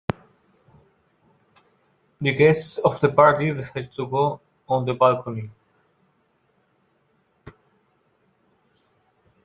The guests of the party decided to go on the balcony.